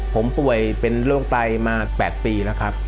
ผมป่วยเป็นโรคไตมา๘ปีแล้วครับ